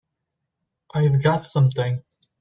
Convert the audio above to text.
I've got something!